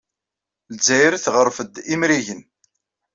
Lezzayer tɣerref-d imrigen.